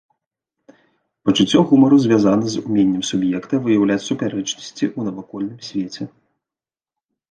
Пачуццё гумару звязана з уменнем суб'екта выяўляць супярэчнасці ў навакольным свеце.